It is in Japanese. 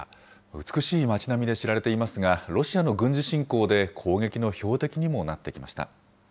美しい町並みで知られていますが、ロシアの軍事侵攻で攻撃の標的にもなってきました。